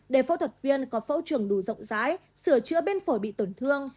để phẫu thuật viên có phẫu trường đủ rộng rãi sửa chữa bên phổi bị tổn thương